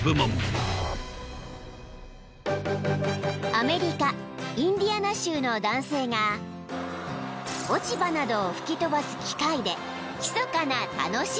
［アメリカインディアナ州の男性が落ち葉などを吹き飛ばす機械でひそかな楽しみを］